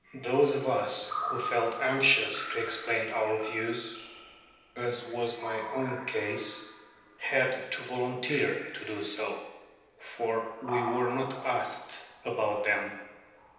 Those of us who felt anxious to explain our views (as was my own case) had to volunteer to do so, for we were not asked about them.